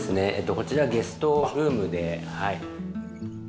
こちらゲストルームではい。